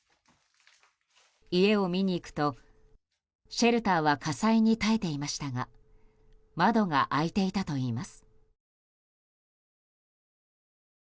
家を見に行くと、シェルターは火災に耐えていましたが窓が開いていたといいます。